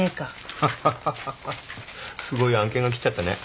ハハハすごい案件が来ちゃったね。